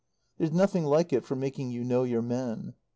There's nothing like it for making you know your men.